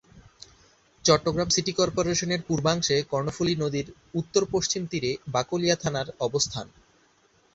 Chittagong city কর্পোরেশনের পূর্বাংশে কর্ণফুলী নদীর উত্তর-পশ্চিম তীরে বাকলিয়া থানার অবস্থান।